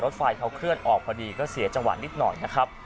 ไฟเขาเคลื่อนออกพอดีก็เสียจังหวะนิดหน่อยนะครับ